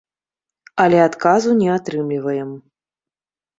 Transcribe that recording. Але адказу не атрымліваем.